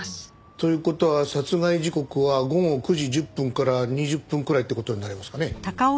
という事は殺害時刻は午後９時１０分から２０分くらいって事になりますかね。